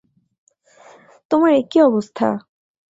তোমার একী অবস্থা?